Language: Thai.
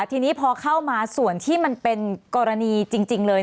ทีนี้พอเข้ามาส่วนที่มันเป็นกรณีจริงเลย